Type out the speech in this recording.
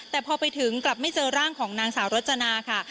แต่พอไปถึงกลับไม่เจอร่างของนางสาวรจนาค่ะ